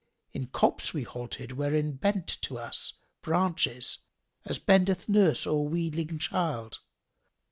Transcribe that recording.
In copse we halted wherein bent to us * Branches, as bendeth nurse o'er weanling child.